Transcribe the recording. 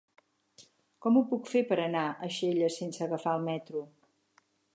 Com ho puc fer per anar a Xella sense agafar el metro?